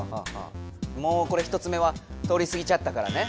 もうこれ１つ目は通りすぎちゃったからね。